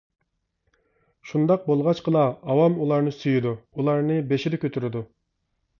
شۇنداق بولغاچقىلا ئاۋام ئۇلارنى سۆيىدۇ، ئۇلارنى بېشىدا كۆتۈرىدۇ.